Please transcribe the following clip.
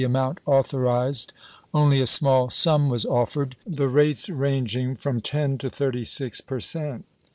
amount authorized, only a small sum was offered, the rates ranging from ten to thirty six per cent.